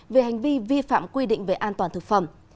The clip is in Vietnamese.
về hành vi vi phạm quy định về an toàn thực phẩm